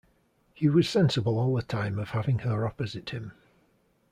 He was sensible all the time of having her opposite him.